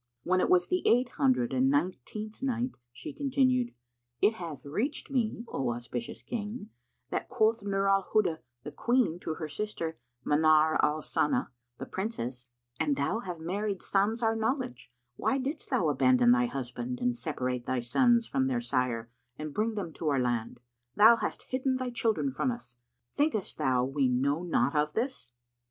When it was the Eight Hundred and Nineteenth Night, She continued, It hath reached me, O auspicious King, that quoth Nur al Huda, the Queen, to her sister Manar al Sana, the Princess, "An thou have married sans our knowledge, why didst thou abandon thy husband and separate thy sons from their sire and bring them to our land? Thou hast hidden thy children from us. Thinkest thou we know not of this?